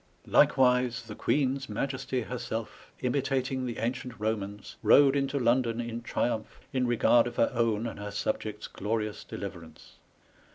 '' Like wise the Queenes Maiesty herself, imitating the ancient Bomans, rode into London in triumph, in regard of her own and her subjects glorious deliverance.